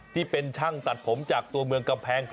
ที่เป็นช่างตัดผมจากเมืองกำแพงเพชร